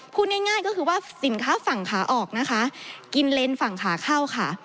พูดง่ายก็คือว่าสินค้าฝั่งขาออกนะคะกินเลนส์ฝั่งขาเข้าค่ะ